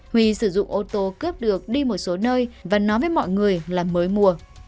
huy sử dụng ô tô cướp được đi một số nơi và nói với mọi người là mới mua